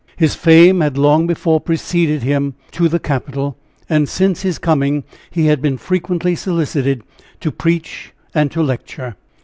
His fame had long before preceded him to the capital, and since his coming he had been frequently solicited to preach and to lecture.